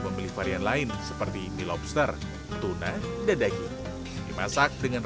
mungkin ini karena dicampur dengan gurit aja jadi ada rasa manis